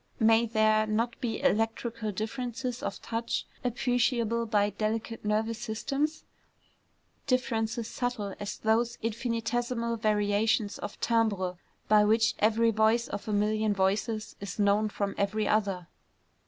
May there not be electrical differences of touch appreciable by delicate nervous systems, differences subtle as those infinitesimal variations of timbre by which every voice of a million voices is known from every other?